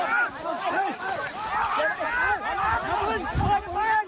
หลบลุกล่าวลุกล่าวลุกล่าวลุกล่าว